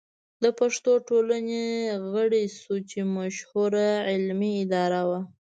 د پښتو ټولنې غړی شو چې مشهوره علمي اداره وه.